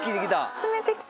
詰めて来た。